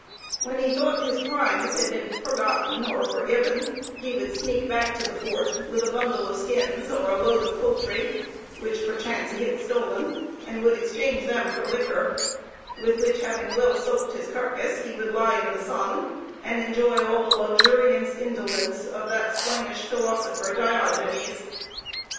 When he thought his crimes had been forgotten or forgiven, he would sneak back to the fort with a bundle of skins or a load of poultry, which, perchance, he had stolen, and would exchange them for liquor, with which having well soaked his carcase, he would lie in the sun, and enjoy all the luxurious indolence of that swinish philosopher Diogenes.